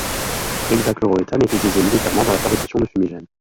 L'hexachloroéthane est utilisé militairement dans la fabrication de fumigènes.